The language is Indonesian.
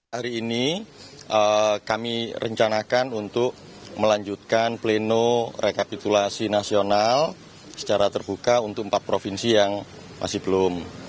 hari ini kami rencanakan untuk melanjutkan pleno rekapitulasi nasional secara terbuka untuk empat provinsi yang masih belum